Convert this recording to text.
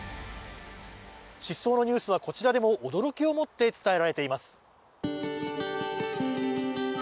失踪のニュースはこちらでも驚きをもって伝えられています。